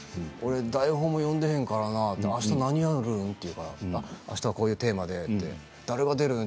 台本を読んでへんからなあした何やる？って言うからあしたはこういうテーマで誰が出る？と。